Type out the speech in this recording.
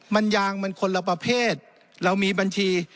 มันยางมันคนละประเภทเรามีบัญชี